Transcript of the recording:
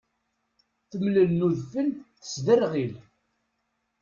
Temlel n udfel tesdderɣil.